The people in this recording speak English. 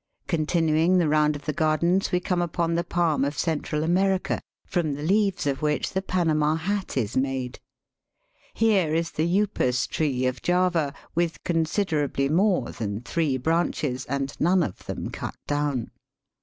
Continuing the round of the gardens we come upon the palm of Central America, from the leaves of which the Panama hat is made. Here is the upas tree of Java with considerably more than three branches, and none of them cut down.